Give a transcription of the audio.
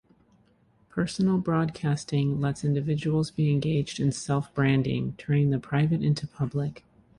Personal broadcasting lets individuals be engaged in self-branding, turning the private into public.